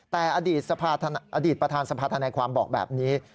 แต่อดีตอดีตประธานสภาธนาความบอกแบบนี้